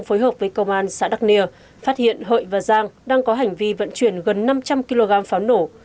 tiếp tục với công an xã đắk nia phát hiện hội và giang đang có hành vi vận chuyển gần năm trăm linh kg pháo nổ